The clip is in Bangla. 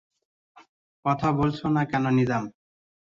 কথা বলছ না কেন নিজাম?